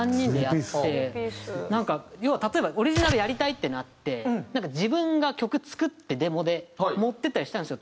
なんか要は例えばオリジナルやりたいってなってなんか自分が曲作ってデモで持っていったりしたんですよ。